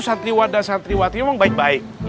satriwadah satriwadihnya emang baik baik